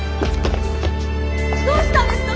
どうしたんですか？